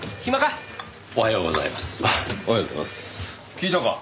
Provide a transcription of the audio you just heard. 聞いたか？